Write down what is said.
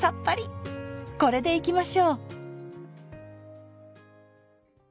これでいきましょう。